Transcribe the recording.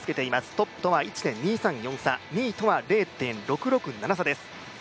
トップとは１．２３４差２位とは０．６６７差です。